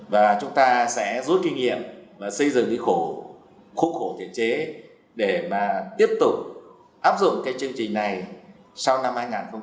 và chúng ta sẽ rút kinh nghiệm và xây dựng khu khủng hồ thiền chế để tiếp tục áp dụng chương trình này sau năm hai nghìn hai mươi